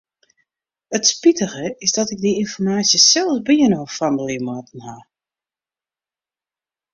It spitige is dat ik dy ynformaasje sels byinoar fandelje moatten haw.